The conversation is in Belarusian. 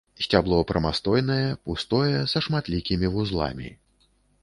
Сцябло прамастойнае, пустое, са шматлікімі вузламі.